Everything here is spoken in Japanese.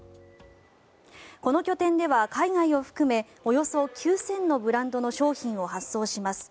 この拠点では、海外を含めおよそ９０００のブランドの商品を発送します。